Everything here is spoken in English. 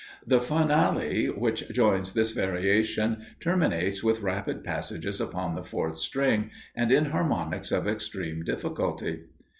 The finale, which joins this variation, terminates with rapid passages upon the fourth string, and in harmonics of extreme difficulty.